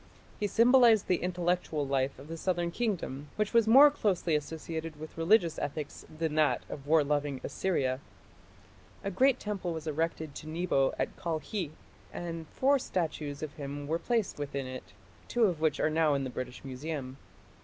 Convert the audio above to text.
He symbolized the intellectual life of the southern kingdom, which was more closely associated with religious ethics than that of war loving Assyria. A great temple was erected to Nebo at Kalkhi, and four statues of him were placed within it, two of which are now in the British Museum.